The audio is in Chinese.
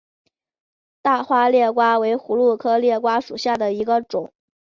大花裂瓜为葫芦科裂瓜属下的一个种。